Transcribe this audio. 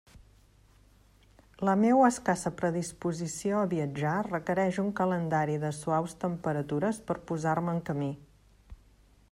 La meua escassa predisposició a viatjar requereix un calendari de suaus temperatures per a posar-me en camí.